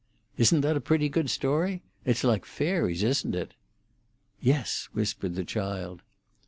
Isn't that a pretty good story? It's like fairies, isn't it?" "Yes," whispered the child.